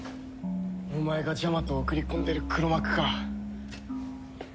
お前がジャマトを送り込んでる黒幕か。